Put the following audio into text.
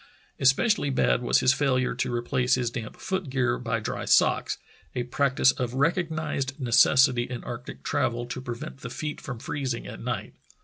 Especially bad was his failure to replace his damp foot gear by dry socks — a practice of rec ognized necessity in arctic travel to prevent the feet from freezing at night.